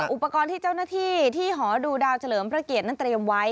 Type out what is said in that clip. อุปกรณ์ที่เจ้าหน้าที่ที่หอดูดาวเฉลิมพระเกียรตินั้นเตรียมไว้